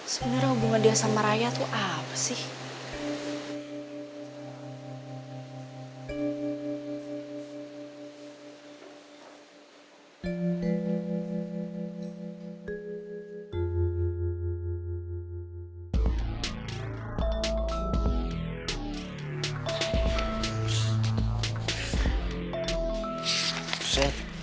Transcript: sebenernya hubungan dia sama raya tuh apa sih